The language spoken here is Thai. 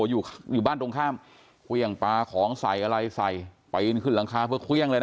อยู่อยู่บ้านตรงข้ามเครื่องปลาของใส่อะไรใส่ไปอินขึ้นหลังคาเพื่อเครื่องเลยนะ